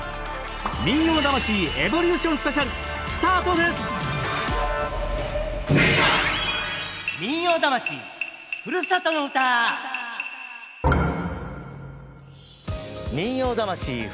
「民謡魂エボリューションスペシャル」スタートです「民謡魂ふるさとの唄」